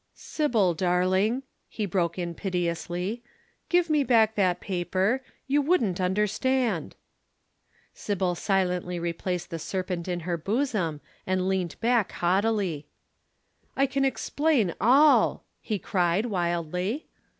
"'Sybil, darling,' he broke in piteously. 'Give me back that paper, you wouldn't understand.' "Sybil silently replaced the serpent in her bosom and leant back haughtily. "'I can explain all,' he cried wildly.